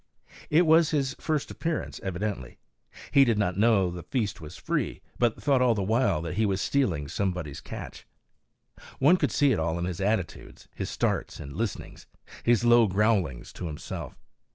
It was his first appearance, evidently. He did not know that the feast was free, but thought all the while that he was stealing somebody's catch. One could see it all in his attitudes, his starts and listenings, his low growlings to himself.